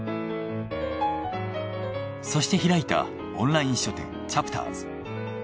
そして開いたオンライン書店チャプターズ。